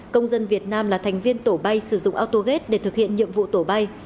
công dân việt nam là thành viên tổ bay sử dụng autogate để thực hiện nhiệm vụ tổ bay